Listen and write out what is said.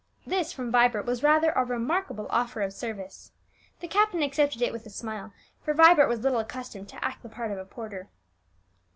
This, from Vibert, was rather a remarkable offer of service. The captain accepted it with a smile, for Vibert was little accustomed to act the part of a porter.